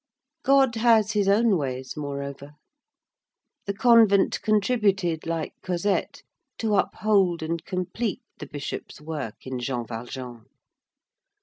God has his own ways, moreover; the convent contributed, like Cosette, to uphold and complete the Bishop's work in Jean Valjean.